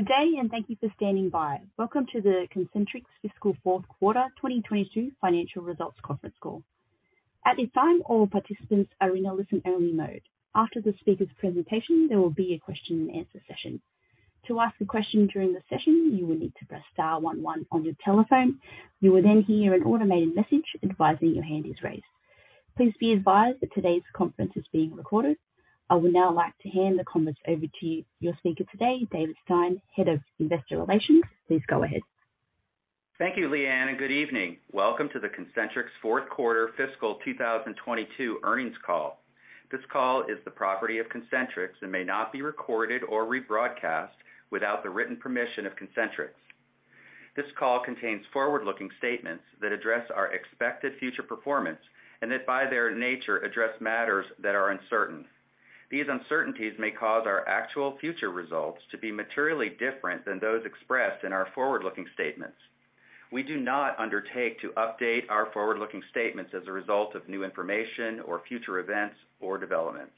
Good day, and thank you for standing by. Welcome to the Concentrix Fiscal 4Q 2022 Financial Results Conference Call. At this time, all participants are in a listen-only mode. After the speaker's presentation, there will be a question-and-answer session. To ask a question during the session, you will need to press star one one on your telephone. You will then hear an automated message advising your hand is raised. Please be advised that today's conference is being recorded. I would now like to hand the conference over to your speaker today, David Stein, Head of Investor Relations. Please go ahead. Thank you, Leanne, and good evening. Welcome to the Concentrix 4Q fiscal 2022 earnings call. This call is the property of Concentrix and may not be recorded or rebroadcast without the written permission of Concentrix. This call contains forward-looking statements that address our expected future performance and that by their nature, address matters that are uncertain. These uncertainties may cause our actual future results to be materially different than those expressed in our forward-looking statements. We do not undertake to update our forward-looking statements as a result of new information or future events or developments.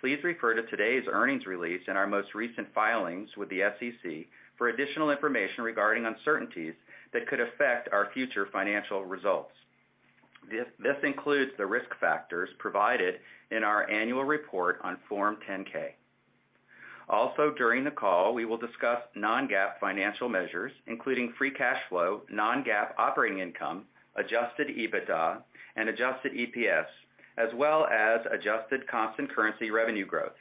Please refer to today's earnings release and our most recent filings with the SEC for additional information regarding uncertainties that could affect our future financial results. This includes the risk factors provided in our annual report on Form 10-K. During the call, we will discuss non-GAAP financial measures, including free cash flow, non-GAAP operating income, Adjusted EBITDA, and adjusted EPS, as well as adjusted constant currency revenue growth.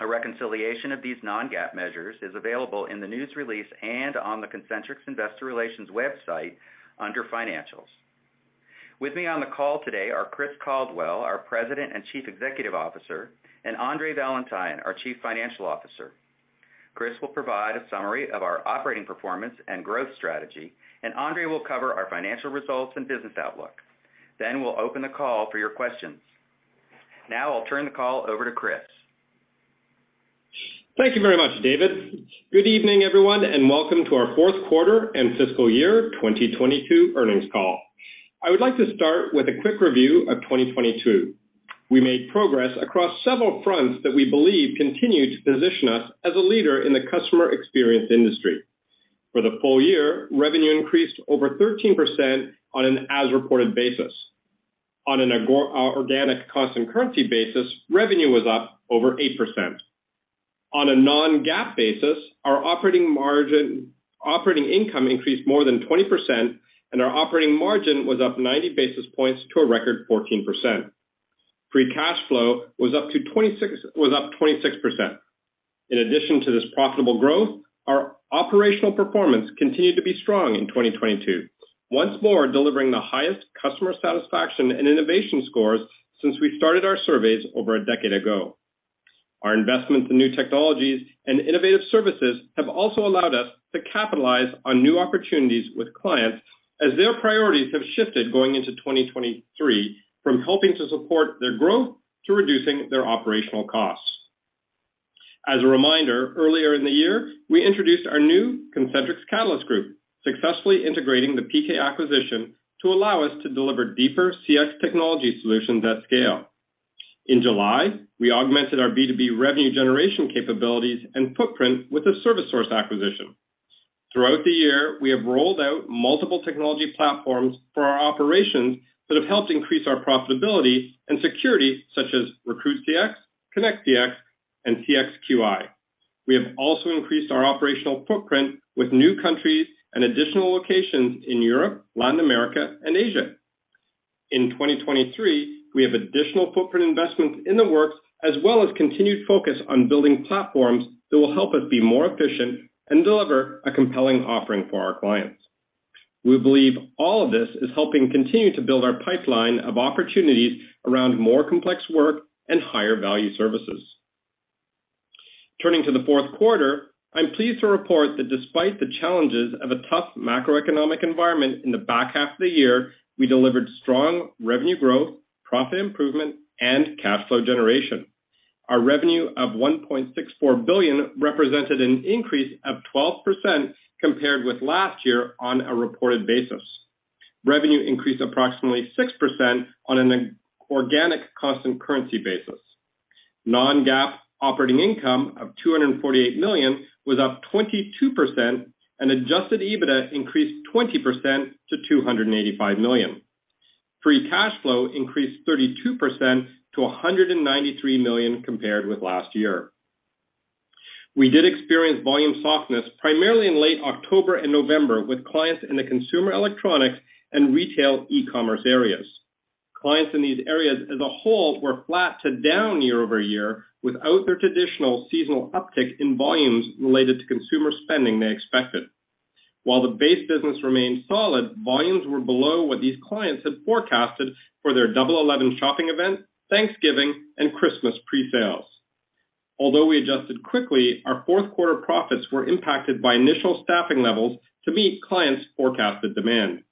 A reconciliation of these non-GAAP measures is available in the news release and on the Concentrix Investor Relations website under Financials. With me on the call today are Chris Caldwell, our President and Chief Executive Officer, and Andre Valentine, our Chief Financial Officer. Chris will provide a summary of our operating performance and growth strategy, and Andre will cover our financial results and business outlook. We'll open the call for your questions. I'll turn the call over to Chris. Thank you very much, David. Good evening, everyone, and welcome to our 4Q and fiscal year 2022 earnings call. I would like to start with a quick review of 2022. We made progress across several fronts that we believe continue to position us as a leader in the customer experience industry. For the full year, revenue increased over 13% on an as-reported basis. On an organic constant currency basis, revenue was up over 8%. On a non-GAAP basis, Operating income increased more than 20%, and our operating margin was up 90 basis points to a record 14%. Free cash flow was up 26%. In addition to this profitable growth, our operational performance continued to be strong in 2022, once more delivering the highest customer satisfaction and innovation scores since we started our surveys over a decade ago. Our investments in new technologies and innovative services have also allowed us to capitalize on new opportunities with clients as their priorities have shifted going into 2023, from helping to support their growth to reducing their operational costs. As a reminder, earlier in the year, we introduced our new Concentrix Catalyst group, successfully integrating the PK acquisition to allow us to deliver deeper CX technology solutions at scale. In July, we augmented our B2B revenue generation capabilities and footprint with a ServiceSource acquisition. Throughout the year, we have rolled out multiple technology platforms for our operations that have helped increase our profitability and security, such as RecruitCX, ConnectCX, and CXQi. We have also increased our operational footprint with new countries and additional locations in Europe, Latin America, and Asia. In 2023, we have additional footprint investments in the works, as well as continued focus on building platforms that will help us be more efficient and deliver a compelling offering for our clients. We believe all of this is helping continue to build our pipeline of opportunities around more complex work and higher value services. Turning to the 4Q, I'm pleased to report that despite the challenges of a tough macroeconomic environment in the back half of the year, we delivered strong revenue growth, profit improvement, and cash flow generation. Our revenue of $1.64 billion represented an increase of 12% compared with last year on a reported basis. Revenue increased approximately 6% on an organic constant currency basis. Non-GAAP operating income of $248 million was up 22% and Adjusted EBITDA increased 20% to $285 million. Free cash flow increased 32% to $193 million compared with last year. We did experience volume softness primarily in late October and November with clients in the consumer electronics and retail e-commerce areas. Clients in these areas as a whole were flat to down year-over-year without their traditional seasonal uptick in volumes related to consumer spending they expected. While the base business remained solid, volumes were below what these clients had forecasted for their Double Eleven shopping event, Thanksgiving, and Christmas pre-sales. Although we adjusted quickly, our 4Q profits were impacted by initial staffing levels to meet clients' forecasted demand.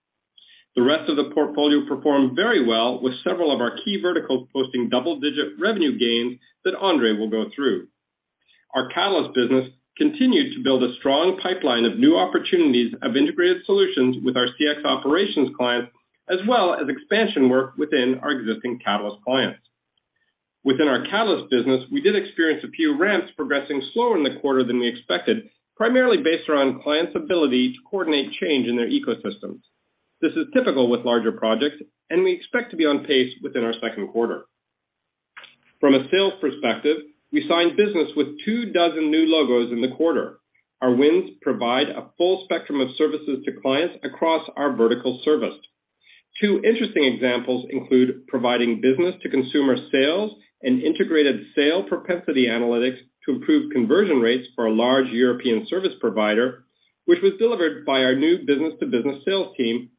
The rest of the portfolio performed very well with several of our key verticals posting double-digit revenue gains that Andre will go through. Our Catalyst business continued to build a strong pipeline of new opportunities of integrated solutions with our CX operations clients as well as expansion work within our existing Catalyst clients. Within our Catalyst business, we did experience a few ramps progressing slower in the quarter than we expected, primarily based around clients' ability to coordinate change in their ecosystems. This is typical with larger projects, and we expect to be on pace within our second quarter. From a sales perspective, we signed business with 2 dozen new logos in the quarter. Our wins provide a full spectrum of services to clients across our vertical service. Two interesting examples include providing business-to-consumer sales and integrated sale propensity analytics to improve conversion rates for a large European service provider, which was delivered by our new business-to-business sales team,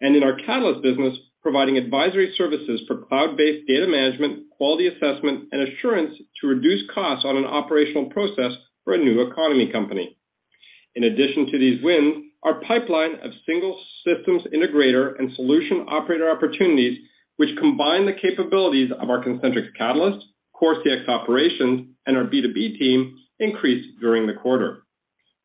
and in our Catalyst business, providing advisory services for cloud-based data management, quality assessment, and assurance to reduce costs on an operational process for a new economy company. In addition to these wins, our pipeline of single systems integrator and solution operator opportunities, which combine the capabilities of our Concentrix Catalyst, Core CX operations, and our B2B team, increased during the quarter.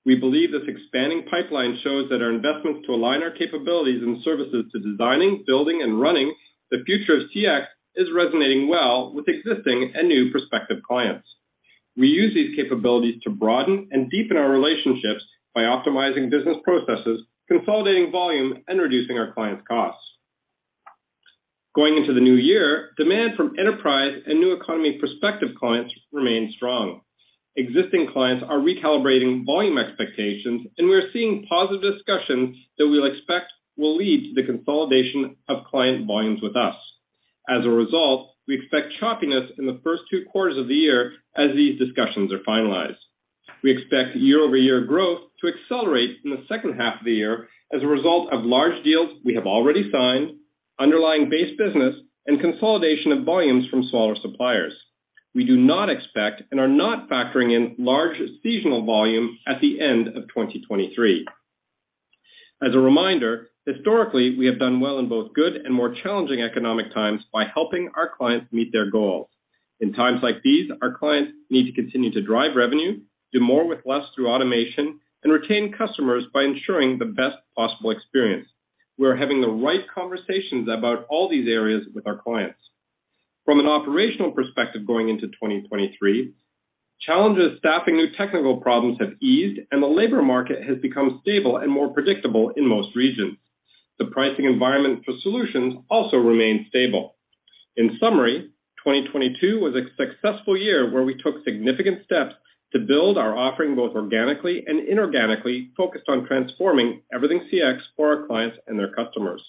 We believe this expanding pipeline shows that our investments to align our capabilities and services to designing, building, and running the future of CX is resonating well with existing and new prospective clients. We use these capabilities to broaden and deepen our relationships by optimizing business processes, consolidating volume, and reducing our clients' costs. Going into the new year, demand from enterprise and new economy prospective clients remains strong. Existing clients are recalibrating volume expectations, and we are seeing positive discussions that we'll expect will lead to the consolidation of client volumes with us. As a result, we expect choppiness in the first two quarters of the year as these discussions are finalized. We expect year-over-year growth to accelerate in the H2 of the year as a result of large deals we have already signed, underlying base business, and consolidation of volumes from smaller suppliers. We do not expect and are not factoring in large seasonal volume at the end of 2023. As a reminder, historically, we have done well in both good and more challenging economic times by helping our clients meet their goals. In times like these, our clients need to continue to drive revenue, do more with less through automation, and retain customers by ensuring the best possible experience. We are having the right conversations about all these areas with our clients. From an operational perspective going into 2023, challenges staffing new technical problems have eased, and the labor market has become stable and more predictable in most regions. The pricing environment for solutions also remains stable. In summary, 2022 was a successful year where we took significant steps to build our offering both organically and inorganically, focused on transforming everything CX for our clients and their customers.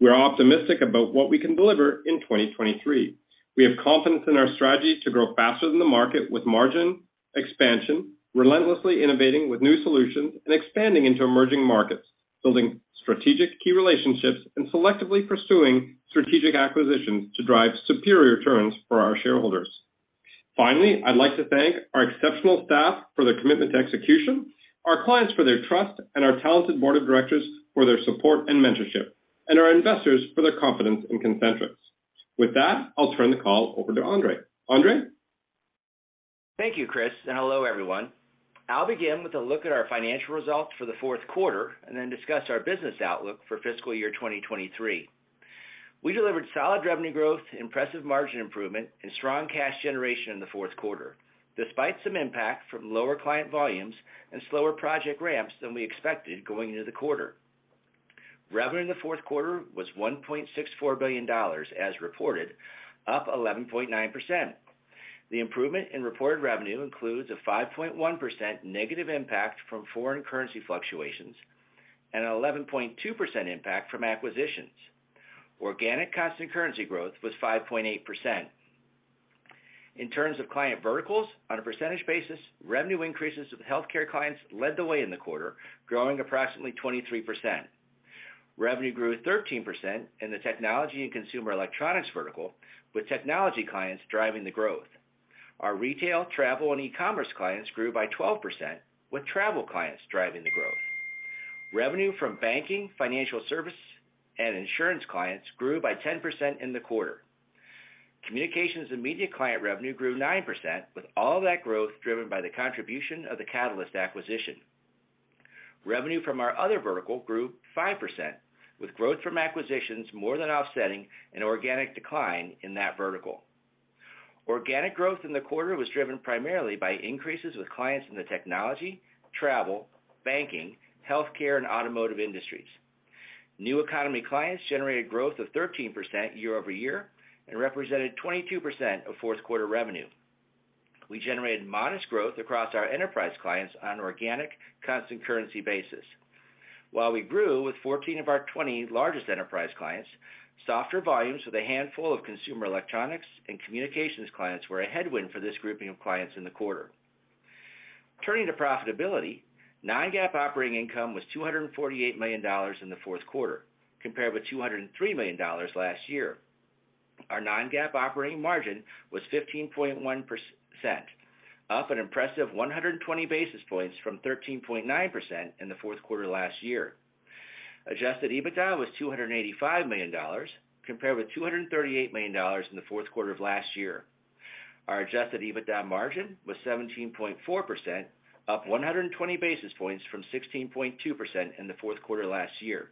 We are optimistic about what we can deliver in 2023. We have confidence in our strategy to grow faster than the market with margin expansion, relentlessly innovating with new solutions, and expanding into emerging markets, building strategic key relationships, and selectively pursuing strategic acquisitions to drive superior returns for our shareholders. Finally, I'd like to thank our exceptional staff for their commitment to execution, our clients for their trust, and our talented board of directors for their support and mentorship, and our investors for their confidence in Concentrix. With that, I'll turn the call over to Andre. Andre? Thank you, Chris, and hello, everyone. I'll begin with a look at our financial results for the 4Q and then discuss our business outlook for fiscal year 2023. We delivered solid revenue growth, impressive margin improvement, and strong cash generation in the 4Q, despite some impact from lower client volumes and slower project ramps than we expected going into the quarter. Revenue in the 4Q was $1.64 billion as reported, up 11.9%. The improvement in reported revenue includes a 5.1% negative impact from foreign currency fluctuations and 11.2% impact from acquisitions. Organic constant currency growth was 5.8%. In terms of client verticals, on a percentage basis, revenue increases with healthcare clients led the way in the quarter, growing approximately 23%. Revenue grew 13% in the technology and consumer electronics vertical, with technology clients driving the growth. Our retail, travel, and e-commerce clients grew by 12%, with travel clients driving the growth. Revenue from banking, financial service, and insurance clients grew by 10% in the quarter. Communications and media client revenue grew 9%, with all that growth driven by the contribution of the Catalyst acquisition. Revenue from our other vertical grew 5%, with growth from acquisitions more than offsetting an organic decline in that vertical. Organic growth in the quarter was driven primarily by increases with clients in the technology, travel, banking, healthcare, and automotive industries. New economy clients generated growth of 13% year-over-year and represented 22% of 4Q revenue. We generated modest growth across our enterprise clients on an organic constant currency basis. While we grew with 14 of our 20 largest enterprise clients, softer volumes with a handful of consumer electronics and communications clients were a headwind for this grouping of clients in the quarter. Turning to profitability, non-GAAP operating income was $248 million in the 4Q, compared with $203 million last year. Our non-GAAP operating margin was 15.1%, up an impressive 120 basis points from 13.9% in the 4Q last year. Adjusted EBITDA was $285 million, compared with $238 million in the 4Q of last year. Our Adjusted EBITDA margin was 17.4%, up 120 basis points from 16.2% in the 4Q last year.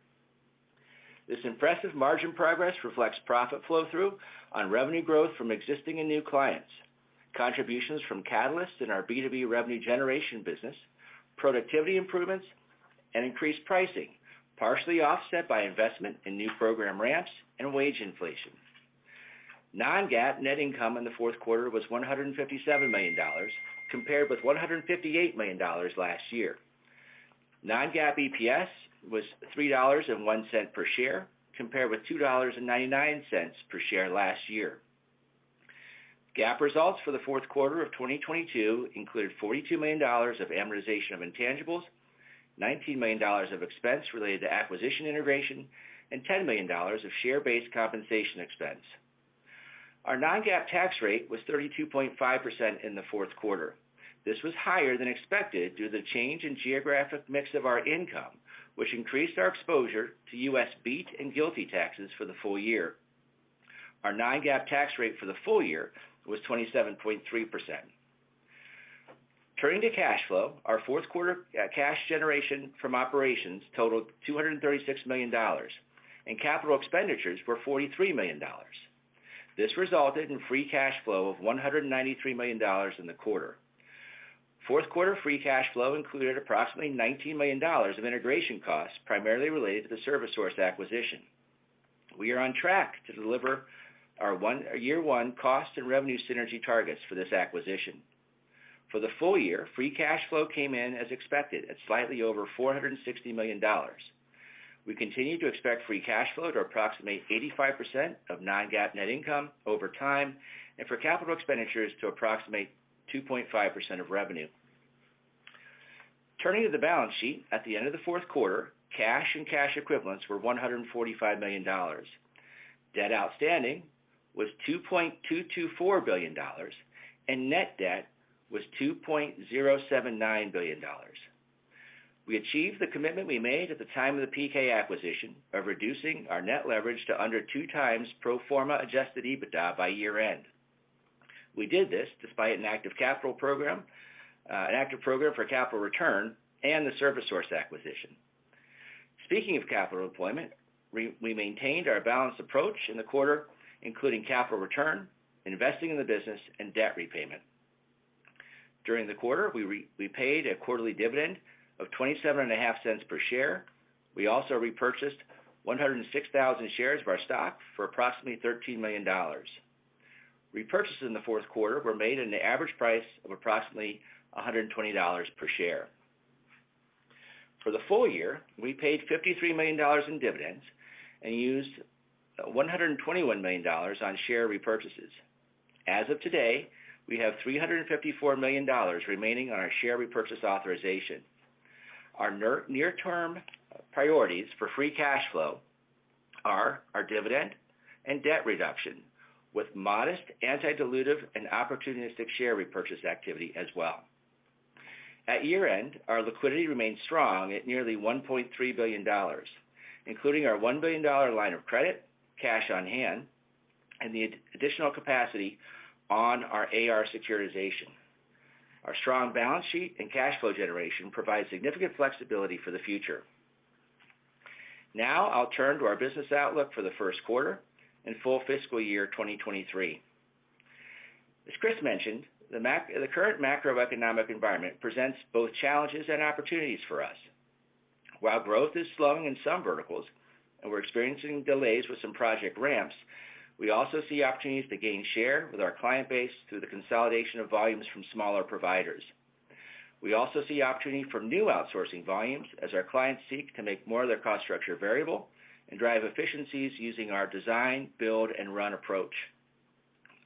This impressive margin progress reflects profit flow through on revenue growth from existing and new clients, contributions from catalysts in our B2B revenue generation business, productivity improvements and increased pricing, partially offset by investment in new program ramps and wage inflation. non-GAAP net income in the 4Q was $157 million compared with $158 million last year. non-GAAP EPS was $3.01 per share compared with $2.99 per share last year. GAAP results for the 4Q of 2022 included $42 million of amortization of intangibles, $19 million of expense related to acquisition integration, and $10 million of share-based compensation expense. Our non-GAAP tax rate was 32.5% in the 4Q. This was higher than expected due to the change in geographic mix of our income, which increased our exposure to US BEAT and GILTI taxes for the full year. Our non-GAAP tax rate for the full year was 27.3%. Turning to cash flow. Our 4Q cash generation from operations totaled $236 million, and capital expenditures were $43 million. This resulted in free cash flow of $193 million in the quarter. 4Q free cash flow included approximately $19 million of integration costs, primarily related to the ServiceSource acquisition. We are on track to deliver our year one cost and revenue synergy targets for this acquisition. For the full year, free cash flow came in as expected at slightly over $460 million. We continue to expect free cash flow to approximate 85% of non-GAAP net income over time and for capital expenditures to approximate 2.5% of revenue. Turning to the balance sheet. At the end of the 4Q, cash and cash equivalents were $145 million. Debt outstanding was $2.224 billion, and net debt was $2.079 billion. We achieved the commitment we made at the time of the PK acquisition of reducing our net leverage to under 2x pro forma Adjusted EBITDA by year-end. We did this despite an active capital program, an active program for capital return, and the ServiceSource acquisition. Speaking of capital deployment, we maintained our balanced approach in the quarter, including capital return, investing in the business and debt repayment. During the quarter, we paid a quarterly dividend of twenty-seven and a half cents per share. We also repurchased 106,000 shares of our stock for approximately $13 million. Repurchases in the 4Q were made at an average price of approximately $120 per share. For the full year, we paid $53 million in dividends and used $121 million on share repurchases. As of today, we have $354 million remaining on our share repurchase authorization. Our near-term priorities for free cash flow are our dividend and debt reduction, with modest anti-dilutive and opportunistic share repurchase activity as well. At year-end, our liquidity remained strong at nearly $1.3 billion, including our $1 billion line of credit, cash on hand, and the additional capacity on our AR securitization. Our strong balance sheet and cash flow generation provide significant flexibility for the future. Now I'll turn to our business outlook for the 1Q and full fiscal year 2023. As Chris mentioned, the current macroeconomic environment presents both challenges and opportunities for us. While growth is slowing in some verticals and we're experiencing delays with some project ramps, we also see opportunities to gain share with our client base through the consolidation of volumes from smaller providers. We also see opportunity for new outsourcing volumes as our clients seek to make more of their cost structure variable and drive efficiencies using our design, build, and run approach.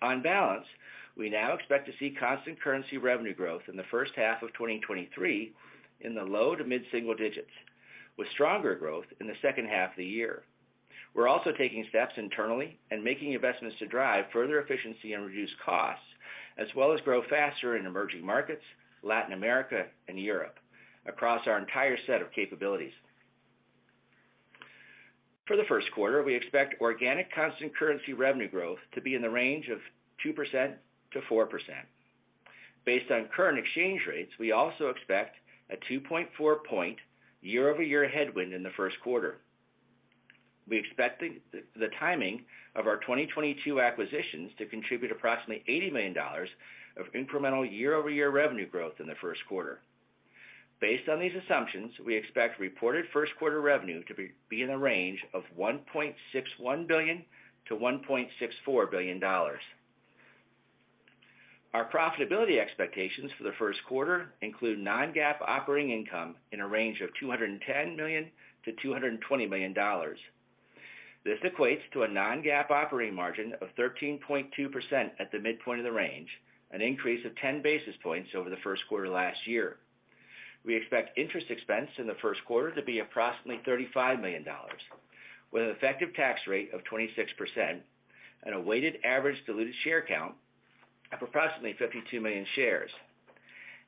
On balance, we now expect to see constant currency revenue growth in the H1 of 2023 in the low to mid-single digits, with stronger growth in the H2 of the year. We're also taking steps internally and making investments to drive further efficiency and reduce costs, as well as grow faster in emerging markets, Latin America and Europe across our entire set of capabilities. For the 1Q, we expect organic constant currency revenue growth to be in the range of 2%-4%. Based on current exchange rates, we also expect a 2.4 point year-over-year headwind in the 1Q. We expect the timing of our 2022 acquisitions to contribute approximately $80 million of incremental year-over-year revenue growth in the 1Q. Based on these assumptions, we expect reported 1Q revenue to be in the range of $1.61 billion-$1.64 billion. Our profitability expectations for the 1Q include non-GAAP operating income in a range of $210 million-$220 million. This equates to a non-GAAP operating margin of 13.2% at the midpoint of the range, an increase of 10 basis points over the 1Q last year. We expect interest expense in the 1Q to be approximately $35 million, with an effective tax rate of 26% and a weighted average diluted share count of approximately 52 million shares.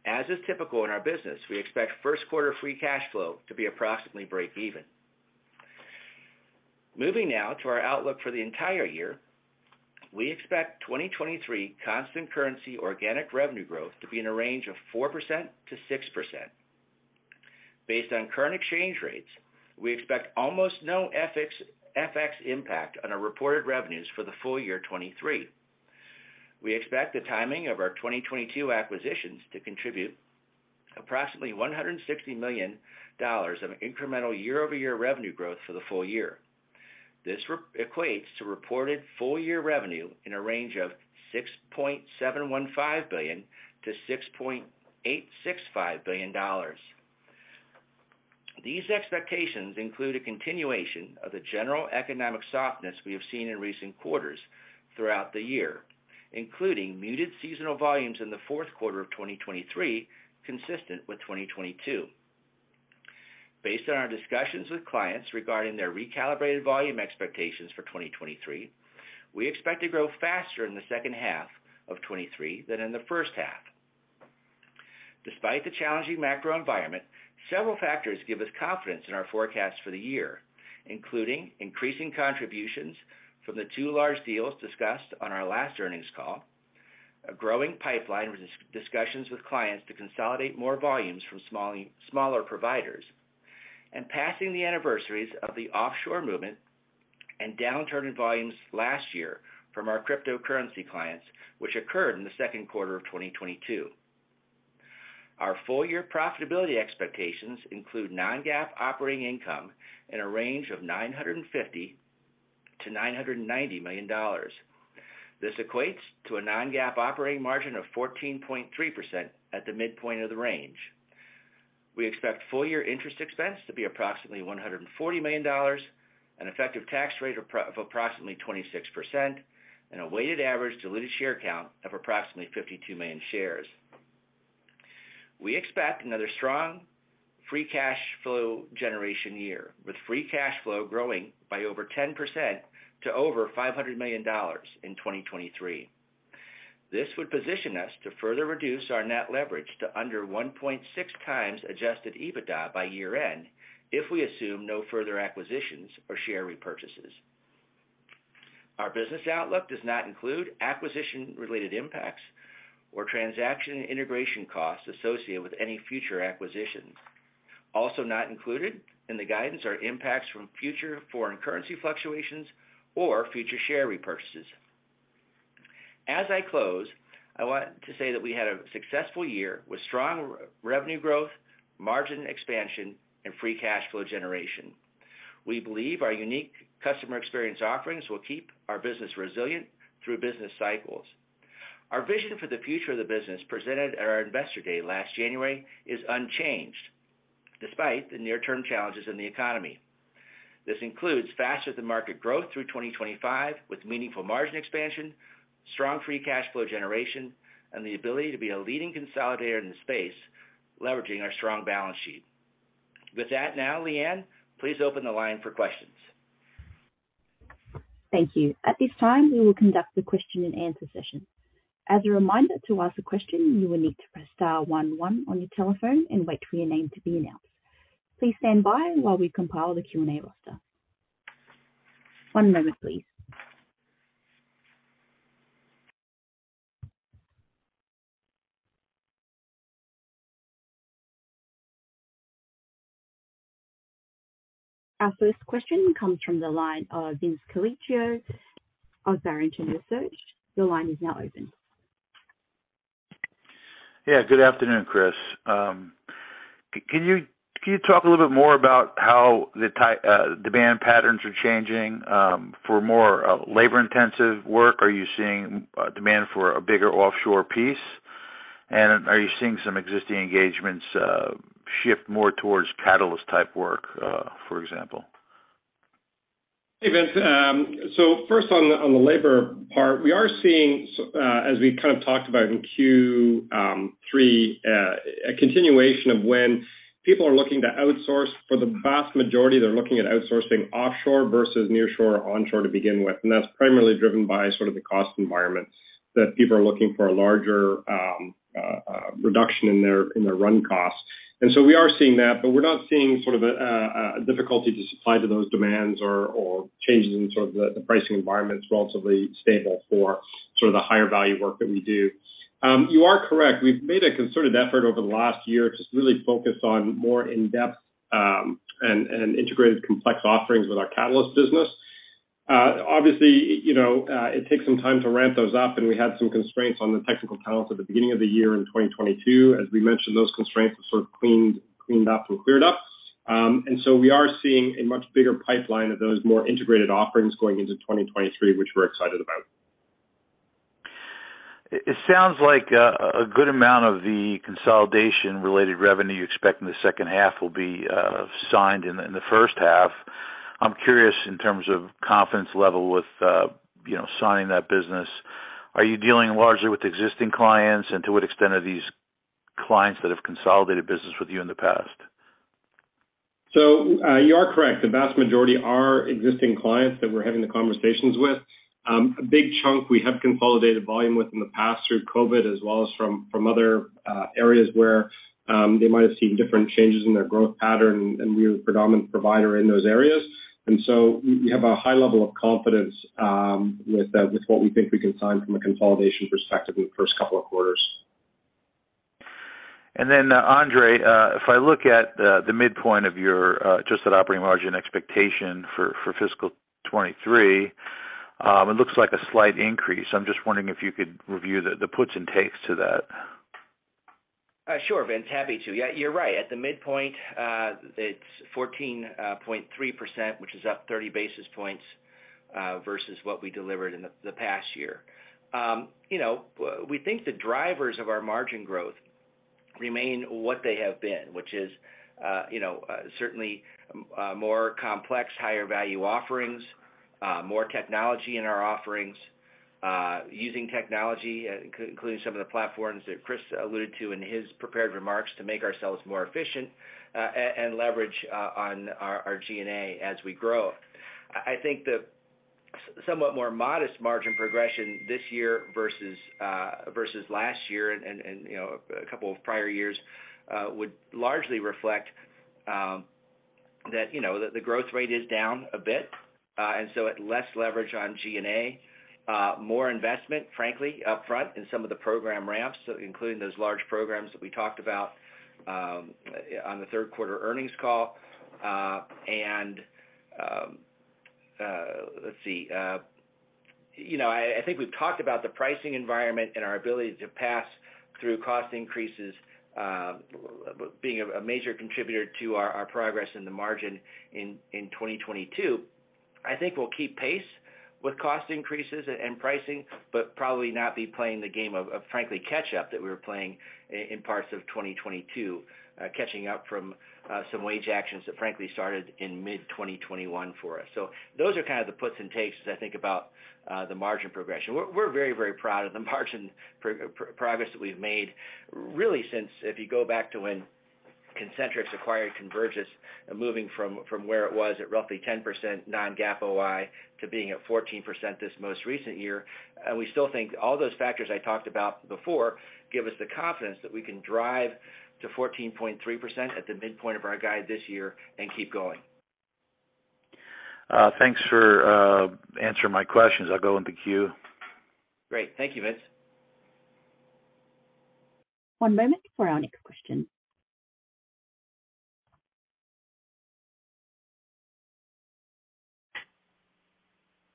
As is typical in our business, we expect 1Q free cash flow to be approximately break even. Moving now to our outlook for the entire year. We expect 2023 constant currency organic revenue growth to be in a range of 4%-6%. Based on current exchange rates, we expect almost no FX impact on our reported revenues for the full year 2023. We expect the timing of our 2022 acquisitions to contribute approximately $160 million of incremental year-over-year revenue growth for the full year. This equates to reported full year revenue in a range of $6.715 billion-$6.865 billion. These expectations include a continuation of the general economic softness we have seen in recent quarters throughout the year, including muted seasonal volumes in the 4Q of 2023, consistent with 2022. Based on our discussions with clients regarding their recalibrated volume expectations for 2023, we expect to grow faster in the H2 of 2023 than in the H1. Despite the challenging macro environment, several factors give us confidence in our forecast for the year, including increasing contributions from the two large deals discussed on our last earnings call, a growing pipeline discussions with clients to consolidate more volumes from smaller providers, and passing the anniversaries of the offshore movement and downturn in volumes last year from our cryptocurrency clients, which occurred in the 2Q of 2022. Our full year profitability expectations include non-GAAP operating income in a range of $950 million-$990 million. This equates to a non-GAAP operating margin of 14.3% at the midpoint of the range. We expect full year interest expense to be approximately $140 million, an effective tax rate of approximately 26%, and a weighted average diluted share count of approximately 52 million shares. We expect another strong free cash flow generation year, with free cash flow growing by over 10% to over $500 million in 2023. This would position us to further reduce our net leverage to under 1.6x Adjusted EBITDA by year end if we assume no further acquisitions or share repurchases. Our business outlook does not include acquisition-related impacts or transaction integration costs associated with any future acquisitions. Not included in the guidance are impacts from future foreign currency fluctuations or future share repurchases. As I close, I want to say that we had a successful year with strong revenue growth, margin expansion, and free cash flow generation. We believe our unique customer experience offerings will keep our business resilient through business cycles. Our vision for the future of the business presented at our Investor Day last January is unchanged, despite the near-term challenges in the economy. This includes faster than market growth through 2025, with meaningful margin expansion, strong free cash flow generation, and the ability to be a leading consolidator in the space, leveraging our strong balance sheet. With that, now, Leanne, please open the line for questions. Thank you. At this time, we will conduct the question-and-answer session. As a reminder, to ask a question, you will need to press star one one on your telephone and wait for your name to be announced. Please stand by while we compile the Q&A roster. One moment, please. Our first question comes from the line of Vince Colicchio of Barrington Research. Your line is now open. Yeah, good afternoon, Chris. can you talk a little bit more about how the demand patterns are changing, for more, labor-intensive work? Are you seeing, demand for a bigger offshore piece? are you seeing some existing engagements, shift more towards Catalyst type work, for example? Hey, Vince. First on the labor part, we are seeing as we kind of talked about in Q3, a continuation of when people are looking to outsource. For the vast majority, they're looking at outsourcing offshore versus nearshore or onshore to begin with, and that's primarily driven by sort of the cost environment, that people are looking for a larger reduction in their run costs. We are seeing that, but we're not seeing sort of a difficulty to supply to those demands or changes in sort of the pricing environment. It's relatively stable for sort of the higher value work that we do. You are correct. We've made a concerted effort over the last year to really focus on more in-depth and integrated complex offerings with our Catalyst business. Obviously, you know, it takes some time to ramp those up, and we had some constraints on the technical talent at the beginning of the year in 2022. As we mentioned, those constraints have sort of cleaned up and cleared up. We are seeing a much bigger pipeline of those more integrated offerings going into 2023, which we're excited about. It sounds like a good amount of the consolidation related revenue you expect in the H2 will be signed in the H1. I'm curious in terms of confidence level with, you know, signing that business. Are you dealing largely with existing clients, and to what extent are these clients that have consolidated business with you in the past? You are correct. The vast majority are existing clients that we're having the conversations with. A big chunk we have consolidated volume with in the past through COVID as well as from other areas where they might have seen different changes in their growth pattern, and we're the predominant provider in those areas. We have a high level of confidence with what we think we can sign from a consolidation perspective in the first couple of quarters. Andre, if I look at the midpoint of your adjusted operating margin expectation for fiscal 2023, it looks like a slight increase. I'm just wondering if you could review the puts and takes to that. Sure, Vince. Happy to. Yeah, you're right. At the midpoint, it's 14.3%, which is up 30 basis points versus what we delivered in the past year. You know, we think the drivers of our margin growth remain what they have been, which is, you know, certainly more complex, higher value offerings, more technology in our offerings, using technology, including some of the platforms that Chris alluded to in his prepared remarks, to make ourselves more efficient, and leverage on our G&A as we grow. I think the somewhat more modest margin progression this year versus last year and, you know, a couple of prior years, would largely reflect, that, you know, the growth rate is down a bit, and so it less leverage on G&A. More investment, frankly, up front in some of the program ramps, including those large programs that we talked about, on the 3Q earnings call. And, let's see, you know, I think we've talked about the pricing environment and our ability to pass through cost increases, being a major contributor to our progress in the margin in 2022. I think we'll keep pace with cost increases and pricing, but probably not be playing the game of frankly catch up that we were playing in parts of 2022, catching up from some wage actions that frankly started in mid-2021 for us. Those are kind of the puts and takes as I think about the margin progression. We're very, very proud of the margin progress that we've made really since, if you go back to when Concentrix acquired Convergys and moving from where it was at roughly 10% non-GAAP OI to being at 14% this most recent year. We still think all those factors I talked about before give us the confidence that we can drive to 14.3% at the midpoint of our guide this year and keep going. thanks for answering my questions. I'll go in the queue. Great. Thank you, Vince. One moment for our next question.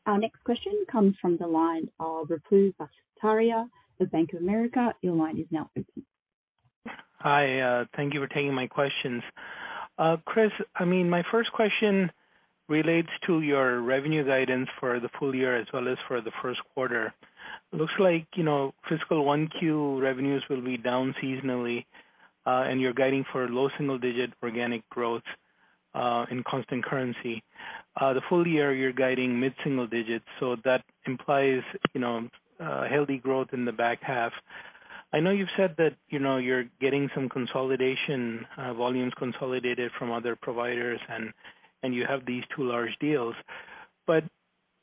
Our next question comes from the line of Ruplu Bhattacharya with Bank of America. Your line is now open. Hi, thank you for taking my questions. Chris, I mean, my first question relates to your revenue guidance for the full year as well as for the 1Q. Looks like, you know, fiscal 1Q revenues will be down seasonally, and you're guiding for low single-digit organic growth in constant currency. The full year, you're guiding mid single-digits, so that implies, you know, healthy growth in the back half. I know you've said that, you know, you're getting some consolidation, volumes consolidated from other providers, and you have these two large deals.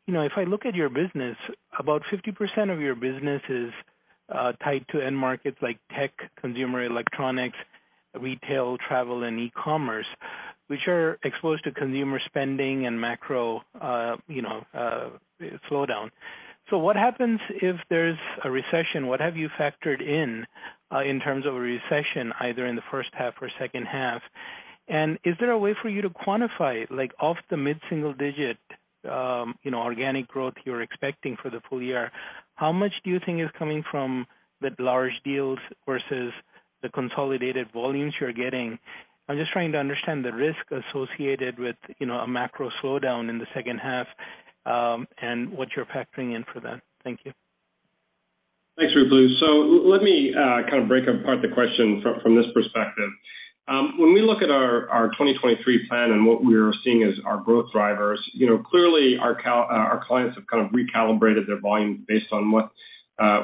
You know, if I look at your business, about 50% of your business is tied to end markets like tech, consumer electronics, retail, travel and e-commerce, which are exposed to consumer spending and macro, you know, slowdown. What happens if there's a recession? What have you factored in terms of a recession, either in the H1 or H2? Is there a way for you to quantify, like off the mid-single digit, you know, organic growth you're expecting for the full year, how much do you think is coming from the large deals versus the consolidated volumes you're getting? I'm just trying to understand the risk associated with, you know, a macro slowdown in the H2, and what you're factoring in for that. Thank you. Thanks, Ruplu. Let me kind of break apart the question from this perspective. When we look at our 2023 plan and what we're seeing as our growth drivers, you know, clearly our clients have kind of recalibrated their volume based on what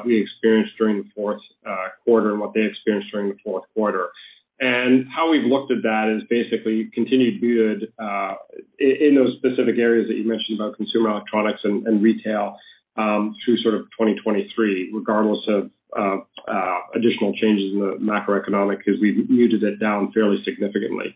we experienced during the 4Q and what they experienced during the 4Q. How we've looked at that is basically continued viewed in those specific areas that you mentioned about consumer electronics and retail through sort of 2023, regardless of additional changes in the macroeconomic, because we've muted it down fairly significantly.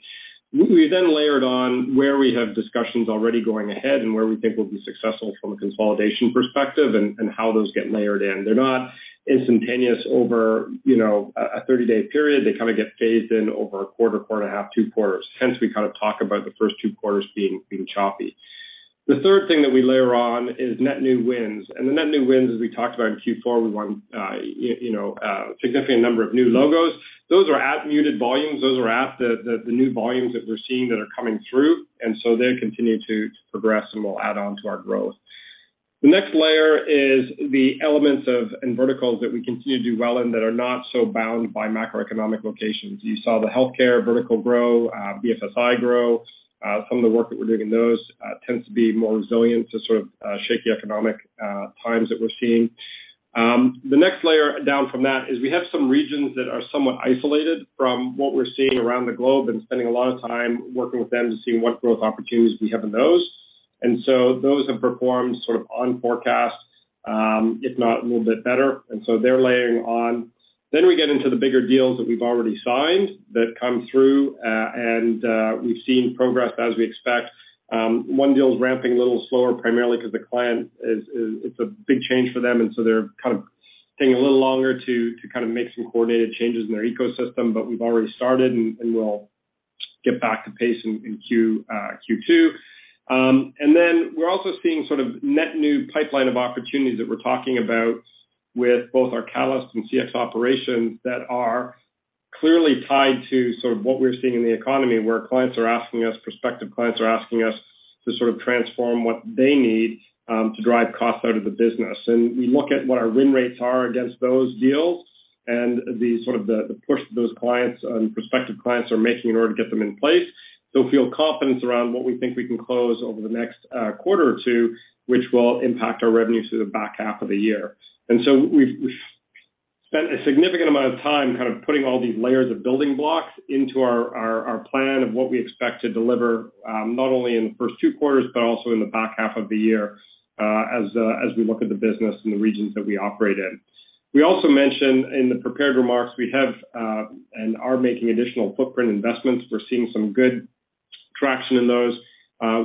We then layered on where we have discussions already going ahead and where we think we'll be successful from a consolidation perspective and how those get layered in. They're not instantaneous over, you know, a 30-day period. They kind of get phased in over a quarter, four and a half, two quarters. We kind of talk about the first two quarters being choppy. The third thing that we layer on is net new wins. The net new wins, as we talked about in Q4, we won, you know, a significant number of new logos. Those are at muted volumes. Those are at the new volumes that we're seeing that are coming through, they continue to progress and will add on to our growth. The next layer is the elements of and verticals that we continue to do well in that are not so bound by macroeconomic locations. You saw the healthcare vertical grow, BFSI grow. Some of the work that we're doing in those tends to be more resilient to sort of shaky economic times that we're seeing. The next layer down from that is we have some regions that are somewhat isolated from what we're seeing around the globe and spending a lot of time working with them to see what growth opportunities we have in those. Those have performed sort of on forecast, if not a little bit better. They're layering on. We get into the bigger deals that we've already signed that come through. We've seen progress as we expect. One deal is ramping a little slower, primarily because the client is, it's a big change for them, they're kind of taking a little longer to kind of make some coordinated changes in their ecosystem. We've already started, and we'll get back to pace in Q2. We're also seeing sort of net new pipeline of opportunities that we're talking about with both our Catalyst and CX operations that are clearly tied to sort of what we're seeing in the economy, where prospective clients are asking us to sort of transform what they need to drive costs out of the business. We look at what our win rates are against those deals and the sort of the push those clients and prospective clients are making in order to get them in place to feel confidence around what we think we can close over the next quarter or two, which will impact our revenues through the back half of the year. We've spent a significant amount of time kind of putting all these layers of building blocks into our plan of what we expect to deliver not only in the first two quarters but also in the back half of the year as we look at the business in the regions that we operate in. We also mentioned in the prepared remarks, we have and are making additional footprint investments. We're seeing some good traction in those,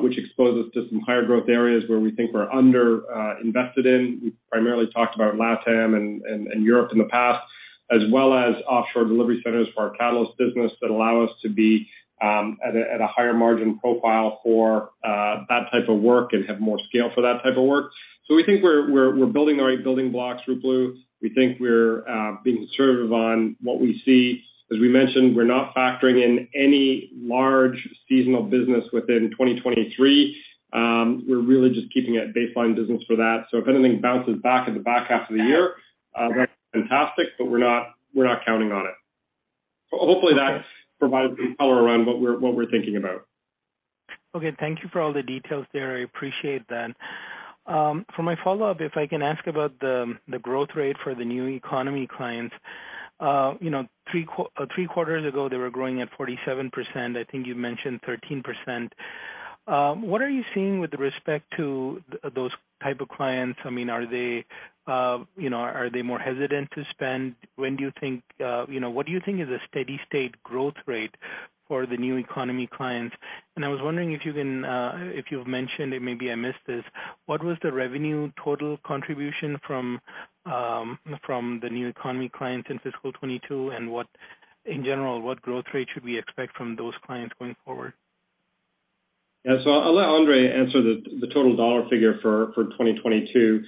which expose us to some higher growth areas where we think we're under invested in. We primarily talked about LATAM and Europe in the past, as well as offshore delivery centers for our Catalyst business that allow us to be at a higher margin profile for that type of work and have more scale for that type of work. So we think we're building the right building blocks, Ruplu. We think we're being conservative on what we see. As we mentioned, we're not factoring in any large seasonal business within 2023. We're really just keeping it baseline business for that. So if anything bounces back in the back half of the year, that's fantastic, but we're not, we're not counting on it. Hopefully, that provides some color around what we're thinking about. Okay. Thank you for all the details there. I appreciate that. For my follow-up, if I can ask about the growth rate for the new economy clients. You know, three quarters ago, they were growing at 47%. I think you mentioned 13%. What are you seeing with respect to those type of clients? I mean, are they, you know, are they more hesitant to spend? When do you think, you know, what do you think is a steady state growth rate for the new economy clients? I was wondering if you can, if you've mentioned, and maybe I missed this, what was the revenue total contribution from the new economy clients in fiscal 2022, in general, what growth rate should we expect from those clients going forward? Yeah. I'll let Andre answer the total dollar figure for 2022.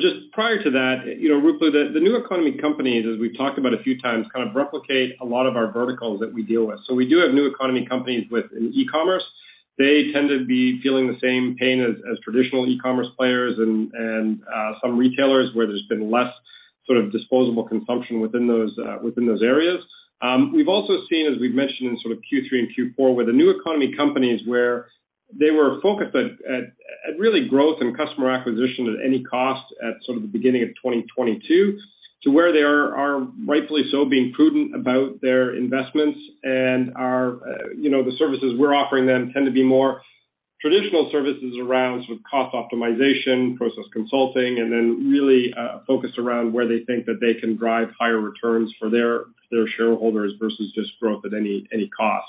Just prior to that, you know, Ruplu, the new economy companies, as we've talked about a few times, kind of replicate a lot of our verticals that we deal with. We do have new economy companies with an e-commerce. They tend to be feeling the same pain as traditional e-commerce players and some retailers where there's been less sort of disposable consumption within those within those areas. We've also seen, as we've mentioned in sort of Q3 and Q4, where the new economy companies where they were focused at really growth and customer acquisition at any cost at sort of the beginning of 2022 to where they are rightfully so being prudent about their investments and are, you know, the services we're offering them tend to be more traditional services around sort of cost optimization, process consulting, and then really focused around where they think that they can drive higher returns for their shareholders versus just growth at any cost.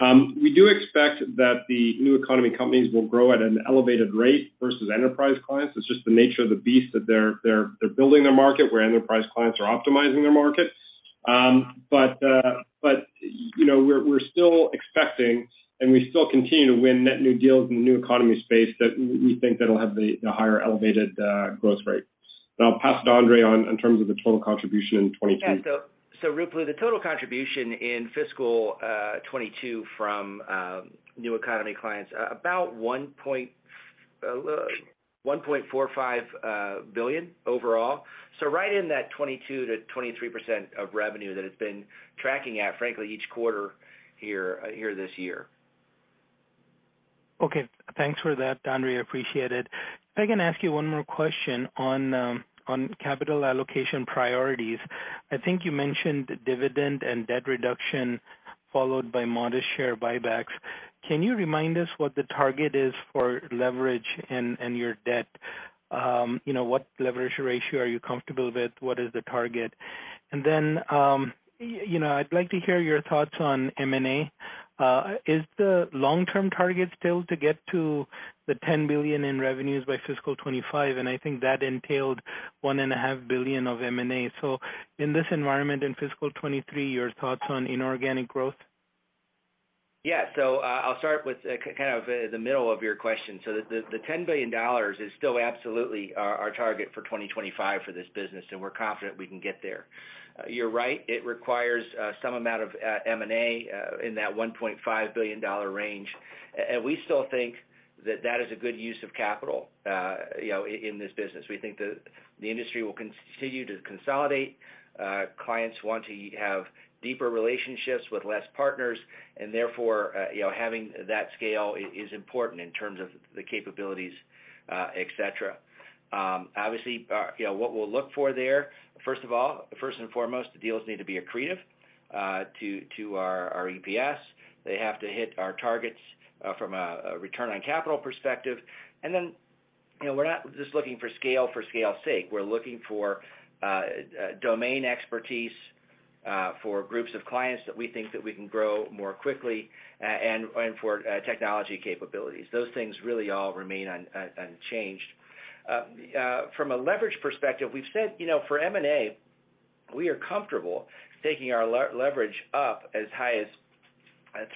We do expect that the new economy companies will grow at an elevated rate versus enterprise clients. It's just the nature of the beast that they're building their market, where enterprise clients are optimizing their market. You know, we're still expecting, and we still continue to win net new deals in the new economy space that we think that'll have the higher elevated growth rate. I'll pass it to Andre on, in terms of the total contribution in 2022. Yeah. Ruplu, the total contribution in fiscal 2022 from new economy clients, about $1.45 billion overall. Right in that 22%-23% of revenue that it's been tracking at, frankly, each quarter here this year. Okay. Thanks for that, Andre. Appreciate it. If I can ask you one more question on capital allocation priorities. I think you mentioned dividend and debt reduction followed by modest share buybacks. Can you remind us what the target is for leverage and your debt? You know, what leverage ratio are you comfortable with? What is the target? And then, you know, I'd like to hear your thoughts on M&A. Is the long-term target still to get to the $10 billion in revenues by fiscal 2025? I think that entailed $1.5 billion of M&A. In this environment, in fiscal 2023, your thoughts on inorganic growth? Yeah. I'll start with kind of the middle of your question. The $10 billion is still absolutely our target for 2025 for this business, and we're confident we can get there. You're right, it requires some amount of M&A in that $1.5 billion range. We still think that that is a good use of capital, you know, in this business. We think the industry will continue to consolidate. Clients want to have deeper relationships with less partners, and therefore, you know, having that scale is important in terms of the capabilities, et cetera. Obviously, you know, what we'll look for there, first of all, first and foremost, the deals need to be accretive to our EPS. They have to hit our targets, from a return on capital perspective. Then, you know, we're not just looking for scale for scale's sake. We're looking for domain expertise, for groups of clients that we think that we can grow more quickly, and for technology capabilities. Those things really all remain unchanged. from a leverage perspective, we've said, you know, for M&A We are comfortable taking our leverage up as high as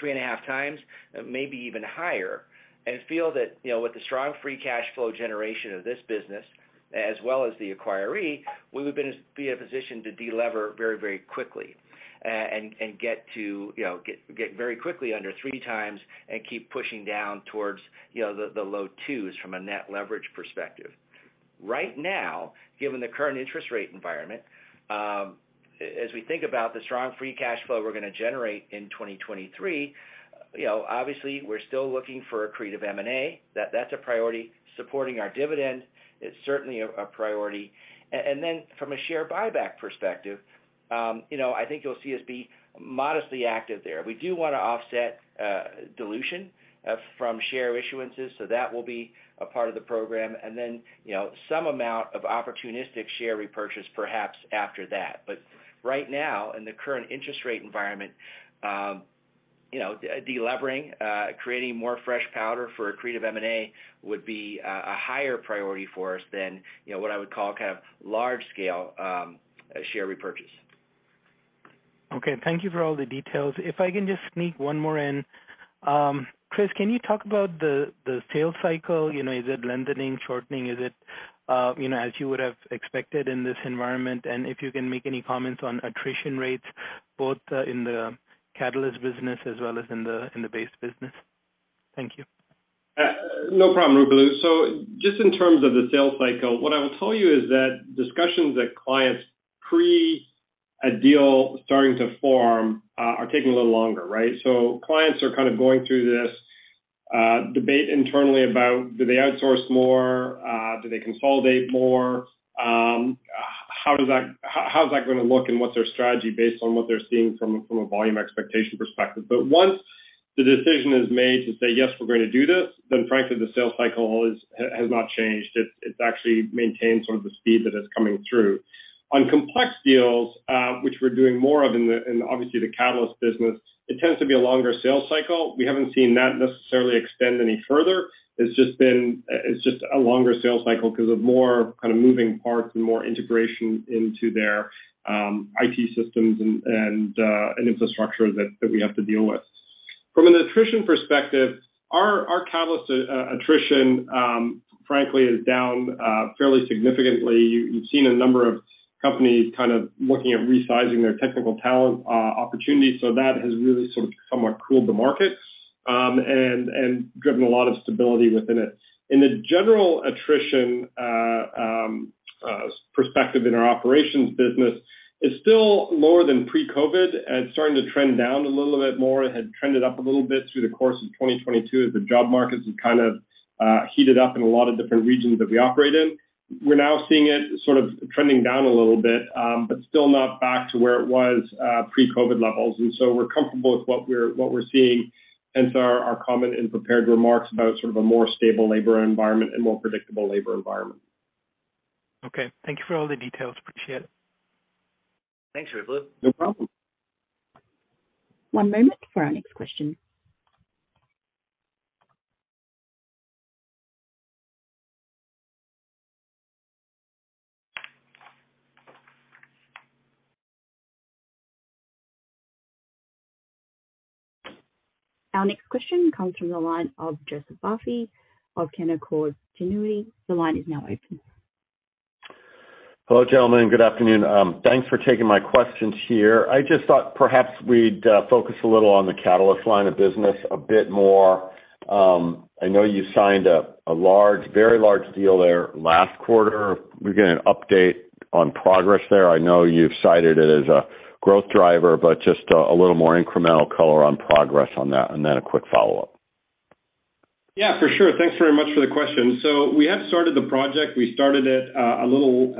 3.5x maybe even higher, and feel that, you know, with the strong free cash flow generation of this business as well as the acquiree, we would be in a position to de-lever very quickly, and get to, you know, get very quickly under 3x and keep pushing down towards, you know, the low twos from a net leverage perspective. Right now, given the current interest rate environment, as we think about the strong free cash flow we're gonna generate in 2023, you know, obviously we're still looking for accretive M&A. That's a priority. Supporting our dividend is certainly a priority. From a share buyback perspective, you know, I think you'll see us be modestly active there. We do wanna offset dilution from share issuances, so that will be a part of the program. You know, some amount of opportunistic share repurchase perhaps after that. Right now, in the current interest rate environment, you know, de-levering, creating more fresh powder for accretive M&A would be a higher priority for us than, you know, what I would call kind of large-scale share repurchase. Okay. Thank you for all the details. If I can just sneak one more in. Chris, can you talk about the sales cycle? You know, is it lengthening, shortening? Is it, you know, as you would have expected in this environment? If you can make any comments on attrition rates, both, in the Catalyst business as well as in the, in the base business. Thank you. No problem, Ruplu. Just in terms of the sales cycle, what I will tell you is that discussions that clients pre a deal starting to form, are taking a little longer, right? Clients are kind of going through this debate internally about do they outsource more, do they consolidate more? How does that gonna look and what's their strategy based on what they're seeing from a volume expectation perspective? Once the decision is made to say, "Yes, we're gonna do this," frankly, the sales cycle is, has not changed. It's actually maintained sort of the speed that it's coming through. On complex deals, which we're doing more of in obviously the Concentrix Catalyst business, it tends to be a longer sales cycle. We haven't seen that necessarily extend any further. It's just been... It's just a longer sales cycle 'cause of more kind of moving parts and more integration into their IT systems and infrastructure that we have to deal with. From an attrition perspective, our Catalyst attrition, frankly, is down fairly significantly. You've seen a number of companies kind of looking at resizing their technical talent opportunities. That has really sort of somewhat cooled the market and driven a lot of stability within it. In the general attrition perspective in our operations business, it's still lower than pre-COVID, and it's starting to trend down a little bit more. It had trended up a little bit through the course of 2022 as the job markets have kind of heated up in a lot of different regions that we operate in. We're now seeing it sort of trending down a little bit, but still not back to where it was, pre-COVID levels. We're comfortable with what we're, what we're seeing, hence our comment in prepared remarks about sort of a more stable labor environment and more predictable labor environment. Okay. Thank you for all the details. Appreciate it. Thanks, Ruplul. No problem. One moment for our next question. Our next question comes from the line of Joseph Vafi of Canaccord Genuity. The line is now open. Hello, gentlemen, good afternoon. Thanks for taking my questions here. I just thought perhaps we'd focus a little on the Catalyst line of business a bit more. I know you signed a large, very large deal there last quarter. We're getting an update on progress there. I know you've cited it as a growth driver, but just a little more incremental color on progress on that. A quick follow-up. Yeah, for sure. Thanks very much for the question. We have started the project. We started it a little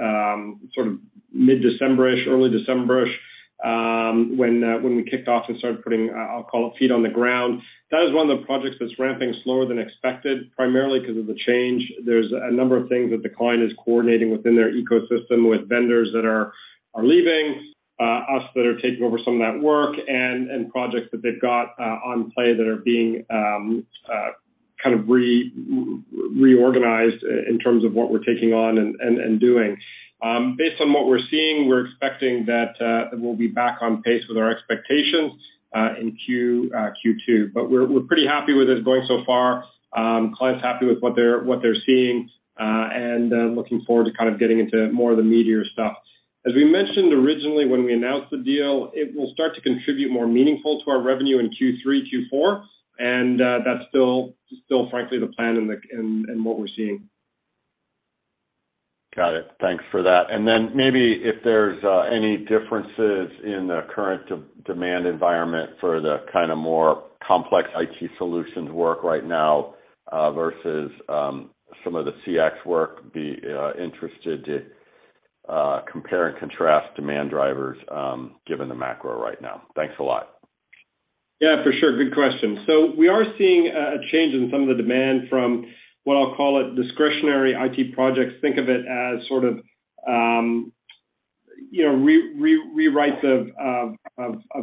sort of mid-December-ish, early December-ish, when we kicked off and started putting I'll call it feet on the ground. That is one of the projects that's ramping slower than expected, primarily 'cause of the change. There's a number of things that the client is coordinating within their ecosystem with vendors that are leaving us that are taking over some of that work and projects that they've got on play that are being kind of reorganized in terms of what we're taking on and doing. Based on what we're seeing, we're expecting that we'll be back on pace with our expectations in Q2. We're pretty happy with it going so far. Client's happy with what they're seeing and looking forward to kind of getting into more of the meatier stuff. As we mentioned originally when we announced the deal, it will start to contribute more meaningful to our revenue in Q3, Q4, and that's still frankly the plan and what we're seeing. Got it. Thanks for that. Then maybe if there's any differences in the current de-demand environment for the kinda more complex IT solutions work right now, versus some of the CX work, be interested to compare and contrast demand drivers given the macro right now. Thanks a lot. Yeah, for sure. Good question. We are seeing a change in some of the demand from what I'll call it discretionary IT projects. Think of it as sort of, you know, rewrites of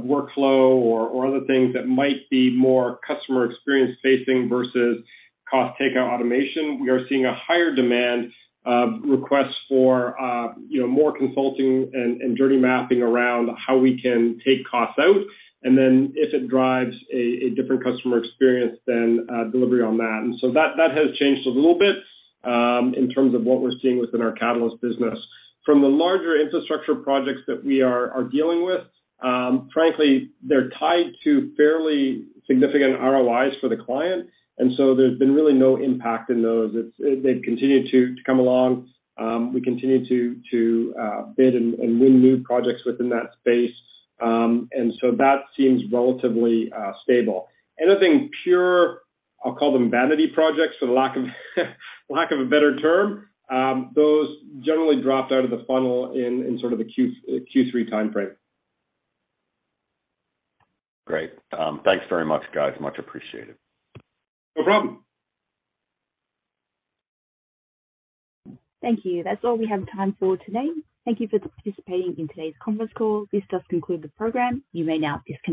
workflow or other things that might be more customer experience facing versus cost takeout automation. We are seeing a higher demand of requests for, you know, more consulting and journey mapping around how we can take costs out, and then if it drives a different customer experience than delivery on that. That has changed a little bit in terms of what we're seeing within our Catalyst business. From the larger infrastructure projects that we are dealing with, frankly, they're tied to fairly significant ROIs for the client, there's been really no impact in those. They've continued to come along. We continue to bid and win new projects within that space. That seems relatively stable. Anything pure, I'll call them vanity projects for the lack of a better term, those generally dropped out of the funnel in sort of the Q3 timeframe. Great. Thanks very much, guys. Much appreciated. No problem. Thank you. That's all we have time for today. Thank you for participating in today's conference call. This does conclude the program. You may now disconnect.